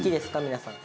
皆さん。